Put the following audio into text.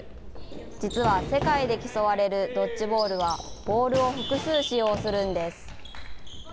実は世界で競われるドッジボールはボールを複数使用するんです。